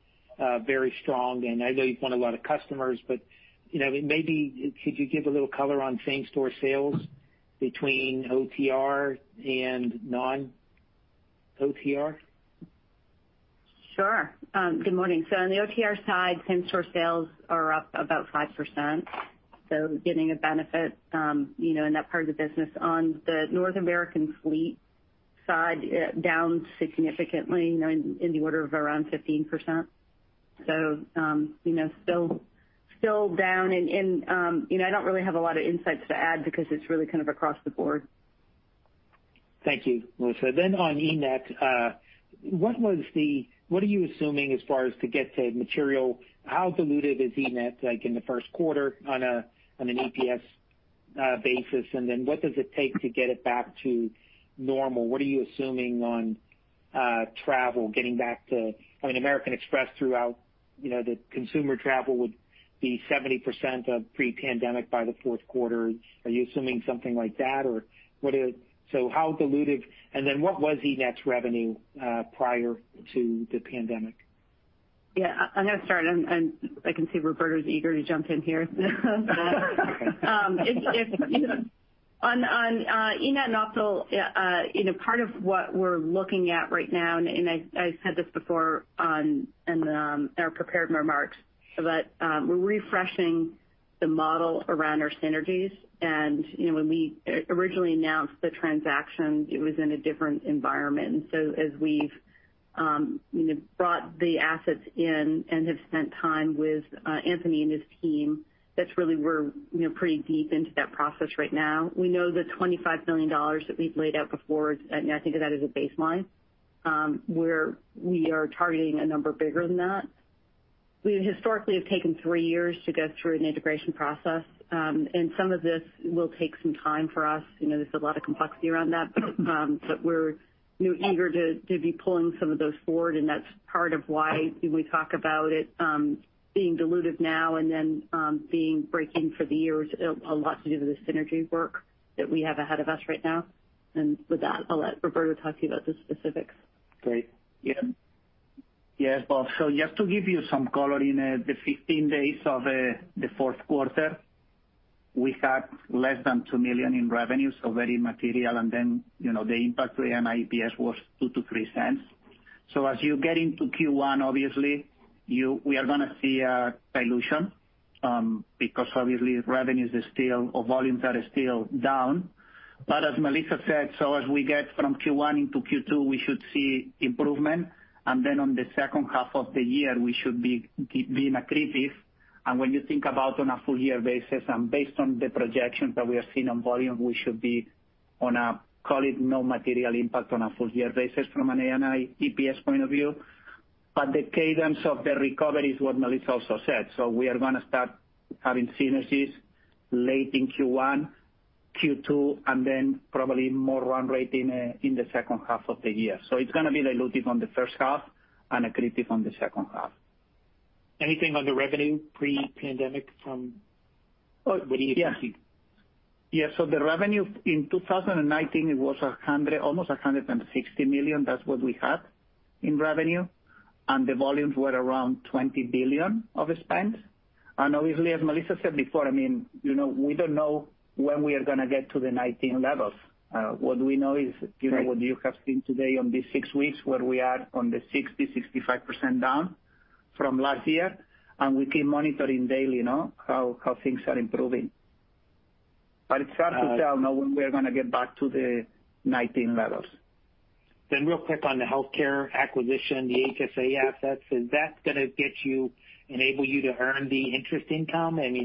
very strong, and I know you've won a lot of customers, but maybe could you give a little color on same-store sales between OTR and non-OTR? Sure. Good morning. On the OTR side, same-store sales are up about 5%. Getting a benefit in that part of the business. On the North American Fleet side, down significantly in the order of around 15%. Still down and I don't really have a lot of insights to add because it's really kind of across the board. Thank you, Melissa. On eNett, what are you assuming as far as to get to material, how diluted is eNett like in the first quarter on an EPS basis, and then what does it take to get it back to normal? What are you assuming on travel getting back to? I mean, American Express threw out the consumer travel would be 70% of pre-pandemic by the fourth quarter. Are you assuming something like that or how diluted, and then what was eNett's revenue prior to the pandemic? Yeah. I'm going to start, and I can see Roberto's eager to jump in here. On eNett and Optal, part of what we're looking at right now, and I said this before in our prepared remarks, but we're refreshing the model around our synergies and when we originally announced the transaction, it was in a different environment. So as we've brought the assets in and have spent time with Anthony and his team, that's really we're pretty deep into that process right now. We know the $25 million that we've laid out before is, and I think of that as a baseline. We are targeting a number bigger than that. We historically have taken three years to go through an integration process. Some of this will take some time for us. There's a lot of complexity around that, but we're eager to be pulling some of those forward, and that's part of why when we talk about it being dilutive now and then being breaking for the year is a lot to do with the synergy work that we have ahead of us right now. With that, I'll let Roberto talk to you about the specifics. Great. Yeah. Yes, Bob. Just to give you some color, in the 15 days of the fourth quarter, we had less than $2 million in revenue, very material, the impact to ANI EPS was $0.02-$0.03. As you get into Q1, obviously we are going to see a dilution because obviously revenues are still, or volumes are still down. As Melissa said, as we get from Q1 into Q2, we should see improvement. On the second half of the year, we should be accretive. When you think about on a full year basis and based on the projections that we are seeing on volume, we should be on a call it no material impact on a full year basis from an ANI EPS point of view. The cadence of the recovery is what Melissa also said. We are going to start having synergies late in Q1, Q2, and then probably more run rate in the second half of the year. It's going to be dilutive on the first half and accretive on the second half. Anything on the revenue pre-pandemic from what do you see? Yes. The revenue in 2019, it was almost $160 million. That's what we had in revenue. The volumes were around $20 billion of spend. Obviously, as Melissa said before, we don't know when we are going to get to the 2019 levels. What we know is what you have seen today on these six weeks where we are on the 60%-65% down from last year. We keep monitoring daily how things are improving. It's hard to tell now when we are going to get back to the 2019 levels. Real quick on the healthcare acquisition, the HSA assets. Is that going to enable you to earn the interest income? How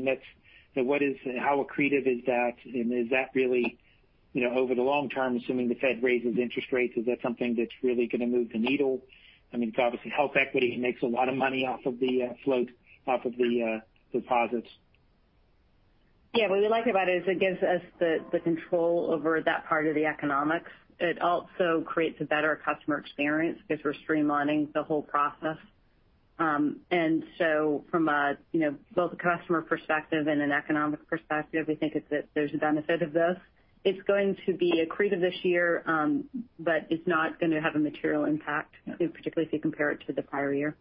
accretive is that? Is that really over the long term, assuming the Fed raises interest rates, is that something that's really going to move the needle? Obviously HealthEquity makes a lot of money off of the float, off of the deposits. Yeah. What we like about it is it gives us the control over that part of the economics. It also creates a better customer experience because we're streamlining the whole process. From both a customer perspective and an economic perspective, we think there's a benefit of this. It's going to be accretive this year, but it's not going to have a material impact, particularly if you compare it to the prior year.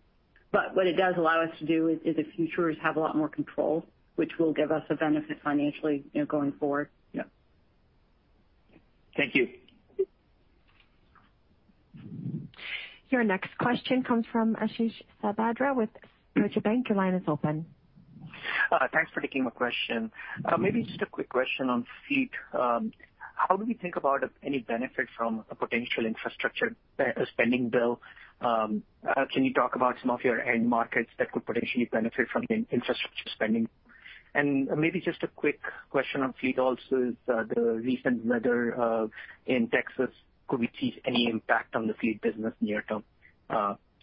What it does allow us to do in the future is have a lot more control, which will give us a benefit financially going forward. Yeah. Thank you. Your next question comes from Ashish Sabadra with Deutsche Bank. Your line is open. Thanks for taking my question. Just a quick question on fleet. How do we think about any benefit from a potential infrastructure spending bill? Can you talk about some of your end markets that could potentially benefit from infrastructure spending? Just a quick question on fleet also is the recent weather in Texas, could we see any impact on the fleet business near term?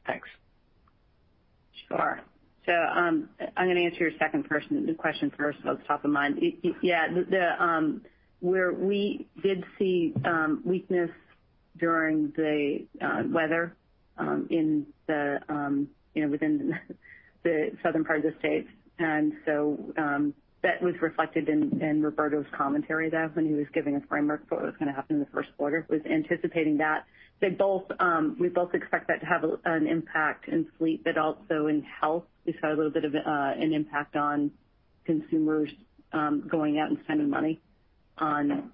Thanks. Sure. I'm going to answer your second question first. At the top of mind. Yeah. We did see weakness during the weather within the southern part of the state. That was reflected in Roberto's commentary there when he was giving a framework for what was going to happen in the first quarter. He was anticipating that. We both expect that to have an impact in fleet, but also in health. We saw a little bit of an impact on consumers going out and spending money on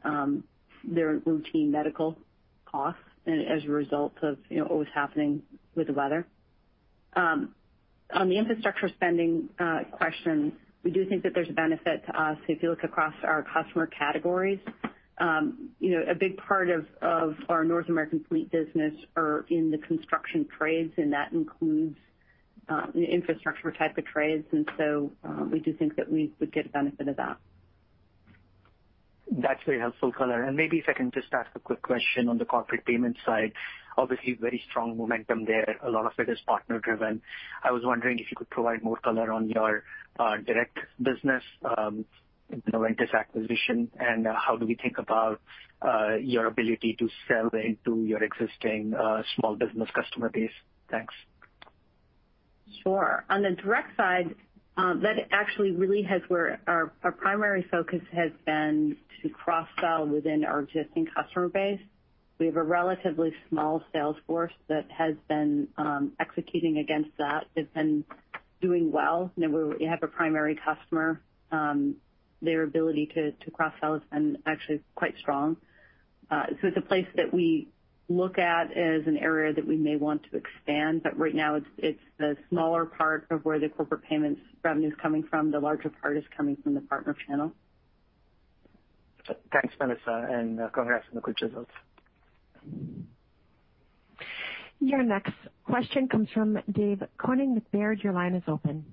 their routine medical costs as a result of what was happening with the weather. On the infrastructure spending question, we do think that there's a benefit to us if you look across our customer categories. A big part of our North American Fleet business are in the construction trades, and that includes infrastructure type of trades. We do think that we would get a benefit of that. That's very helpful color. Maybe if I can just ask a quick question on the corporate payment side. Obviously very strong momentum there. A lot of it is partner-driven. I was wondering if you could provide more color on your direct business, Noventis acquisition, and how do we think about your ability to sell into your existing small business customer base? Thanks. Sure. On the direct side, that actually really has where our primary focus has been to cross-sell within our existing customer base. We have a relatively small sales force that has been executing against that. They've been doing well. You have a primary customer. Their ability to cross-sell has been actually quite strong. It's a place that we look at as an area that we may want to expand, but right now it's the smaller part of where the corporate payments revenue is coming from. The larger part is coming from the partner channel. Thanks, Melissa, congrats on the good results. Your next question comes from David Koning with Baird. Your line is open.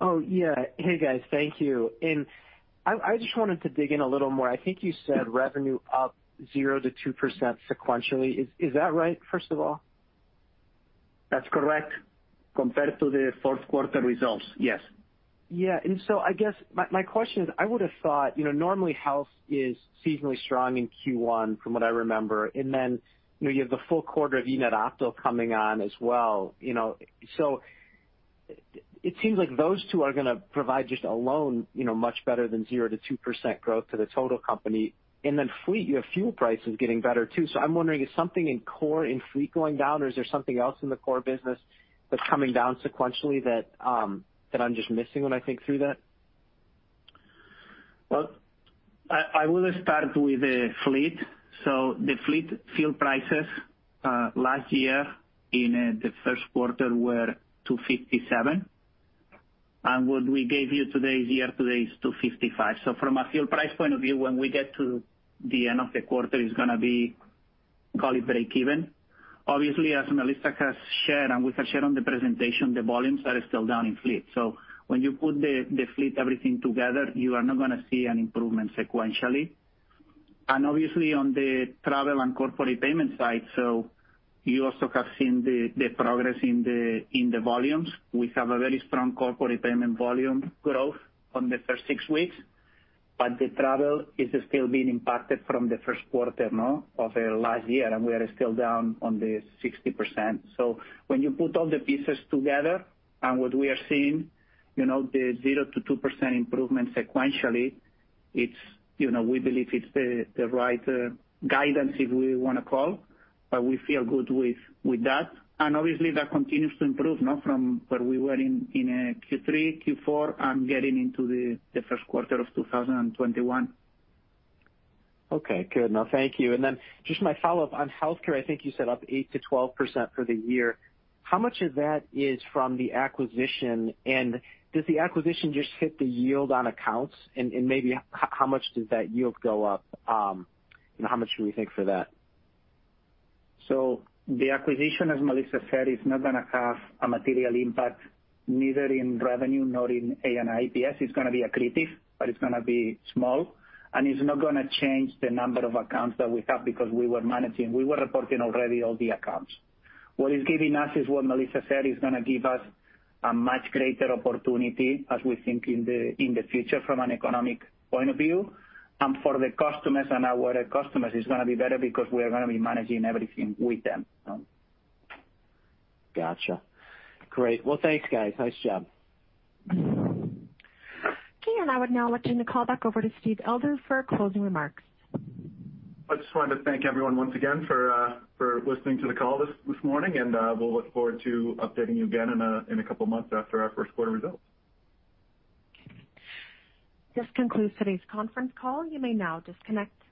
Oh, yeah. Hey, guys. Thank you. I just wanted to dig in a little more. I think you said revenue up 0%-2% sequentially. Is that right, first of all? That's correct. Compared to the fourth quarter results, yes. Yeah. I guess my question is, I would have thought normally WEX Health is seasonally strong in Q1 from what I remember. You have the full quarter of eNett and Optal coming on as well. It seems like those two are going to provide just alone much better than 0%-2% growth to the total company. Fleet Solutions, you have fuel prices getting better too. I'm wondering, is something in core in Fleet Solutions going down or is there something else in the core business that's coming down sequentially that I'm just missing when I think through that? Well, I will start with the fleet. The fleet fuel prices last year in the first quarter were 257. What we gave you today is year to date is 255. From a fuel price point of view, when we get to the end of the quarter, it's going to be call it breakeven. Obviously, as Melissa has shared and we have shared on the presentation, the volumes are still down in fleet. When you put the fleet everything together, you are not going to see an improvement sequentially. Obviously on the travel and corporate payment side, so you also have seen the progress in the volumes. We have a very strong corporate payment volume growth on the first six weeks, but the travel is still being impacted from the first quarter of last year, and we are still down on the 60%. When you put all the pieces together and what we are seeing, the 0%-2% improvement sequentially, we believe it's the right guidance if we want to call, but we feel good with that. Obviously that continues to improve now from where we were in Q3, Q4 and getting into the first quarter of 2021. Okay, good. No, thank you. Just my follow-up on healthcare, I think you said up 8%-12% for the year. How much of that is from the acquisition, and does the acquisition just hit the yield on accounts and maybe how much does that yield go up? How much should we think for that? The acquisition, as Melissa said, is not going to have a material impact neither in revenue nor in ANI EPS. It's going to be accretive, but it's going to be small and it's not going to change the number of accounts that we have because we were reporting already all the accounts. What is giving us is what Melissa said, is going to give us a much greater opportunity as we think in the future from an economic point of view. For the customers and our customers, it's going to be better because we are going to be managing everything with them. Got you. Great. Well, thanks guys. Nice job. Okay, I would now like to turn the call back over to Steven Elder for closing remarks. I just wanted to thank everyone once again for listening to the call this morning, and we'll look forward to updating you again in a couple of months after our first quarter results. This concludes today's conference call. You may now disconnect.